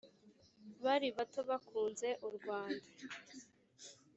Bari bato bakunze u Rwanda